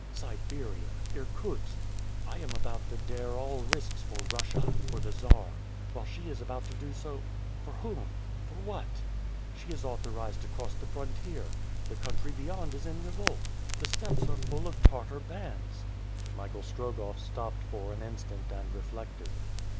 Siberia! Irkutsk! I am about to dare all risks for Russia, for the Czar, while she is about to do so For whom? For what? She is authorized to cross the frontier! The country beyond is in revolt! The steppes are full of Tartar bands!" Michael Strogoff stopped for an instant, and reflected.